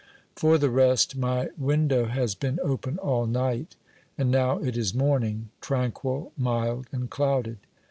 For the rest, my window has OBERMANN 225 been open all night, and now it is morning — tranquil, mild and clouded.